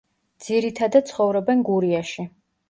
ძირითადად ცხოვრობენ გურიაში.